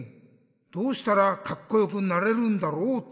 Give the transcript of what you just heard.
どうしたらカッコよくなれるんだろうって。